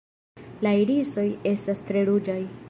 La irisoj estas tre ruĝaj.